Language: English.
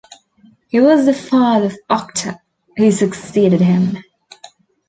He was the father of Octa, who succeeded him.